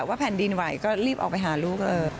แผ่นดินไหวก็รีบออกไปหาลูก